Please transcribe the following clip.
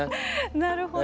なるほど。